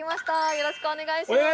よろしくお願いします